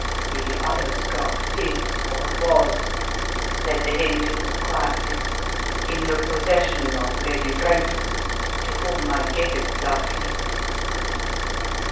"The other scarf is, or was," said the Hindoo, quietly, "in the possession of Lady Brenton, to whom I gave it last week!"